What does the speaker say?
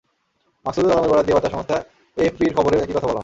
মাকসুদুল আলমের বরাত দিয়ে বার্তা সংস্থা এএফপির খবরেও একই কথা বলা হয়।